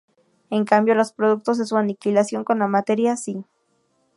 En cambio, los productos de su aniquilación con la materia, sí.